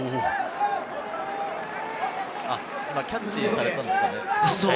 今、キャッチされたんですかね？